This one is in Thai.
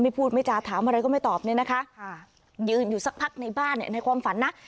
พูดไม่จาถามอะไรก็ไม่ตอบเนี่ยนะคะยืนอยู่สักพักในบ้านเนี่ยในความฝันนะ